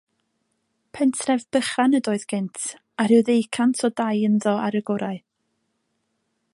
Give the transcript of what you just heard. Pentref bychan ydoedd gynt, a rhyw ddeucant o dai ynddo ar y gorau.